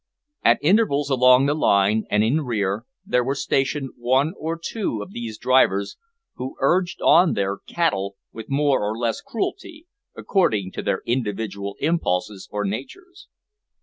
At intervals along the line, and in rear, there were stationed one or two of these drivers, who urged on their "cattle" with more or less cruelty, according to their individual impulses or natures.